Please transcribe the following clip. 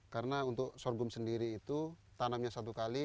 karena untuk sorghum sendiri itu tanamnya satu kali